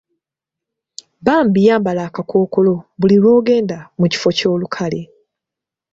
Bambi yambala akakkookolo buli lw'ogenda mu kifo ky'olukale.